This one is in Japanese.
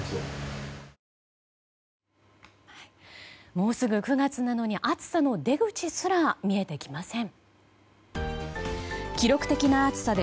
もうすぐ９月なのに暑さの出口すら見えてきません。